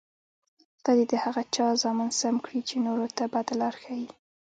خدای دې د هغه چا زامن سم کړي، چې نورو ته بده لار ښیي.